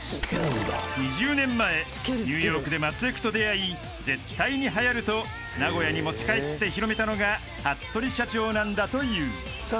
［２０年前ニューヨークでマツエクと出合い絶対にはやると名古屋に持ち帰って広めたのが服部社長なんだという］